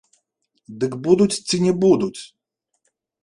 Дык будуць ці не будуць?